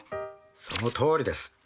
そのとおりです。